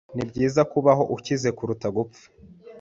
Nibyiza kubaho ukize, kuruta gupfa.